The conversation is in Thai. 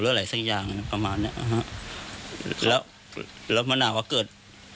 หรืออะไรสักอย่างประมาณเนี้ยอ่าฮะแล้วแล้วมันอาจว่าเกิด